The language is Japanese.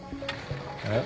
えっ？